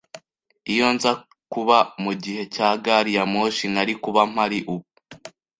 Iyo nza kuba mugihe cya gari ya moshi, nari kuba mpari ubu.